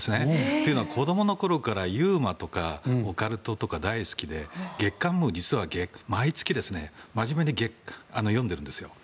というのは子どもの頃からユーモアとかオカルトとか大好きで月刊「ムー」も毎月真面目に読んでるんですよ。